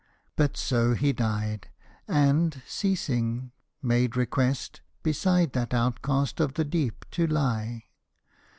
But so he died, and, ceasing, made request Beside that outcast of the deep to lie.